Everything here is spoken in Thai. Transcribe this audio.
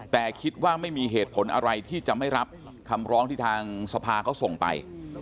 แต่คิดว่าไม่มีเหตุผลอะไรที่จะไม่รับคำร้องที่ทางสภาเขาส่งไป